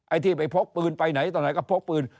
ไอ้ที่ไปพกปืนไปไหนตอนไหนก็พกปืน